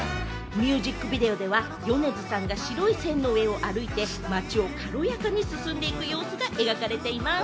ミュージックビデオでは米津さんが白い線の上を歩いて、街を軽やかに進んでいく様子が描かれています。